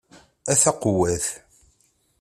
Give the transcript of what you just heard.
A taqewwadt!